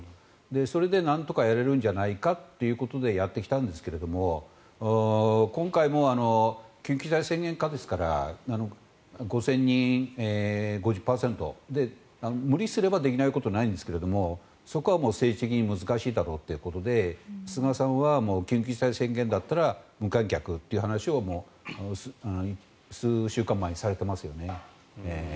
それでなんとかやれるんじゃないかということでやってきたんですが今回も緊急事態宣言下ですから５０００人、５０％で無理すればできないことはないんですがそこは政治的に難しいだろうということで菅さんは緊急事態宣言だったら無観客という話を数週間前にされていますよね。